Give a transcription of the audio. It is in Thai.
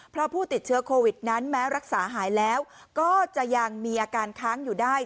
เพราะผู้ติดเชื้อโควิดนั้นแม้รักษาหายแล้วก็จะยังมีอาการค้างอยู่ได้